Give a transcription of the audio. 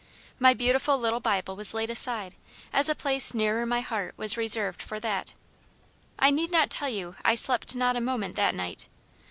My beautiful little Bible was laid aside, as a place nearer my heart was reserved for that. I need not tell you I slept not a moment that night.